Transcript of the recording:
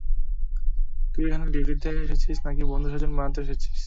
তুই এখানে ডিউটিতে এসেছিস নাকি বন্ধু-স্বজন বানাতে এসেছিস?